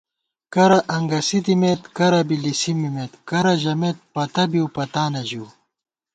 کرہ انگَسی دِمېت کرہ بی لِسی مِمېت کرہ ژمېت پتہ بِؤپتانہ ژِؤ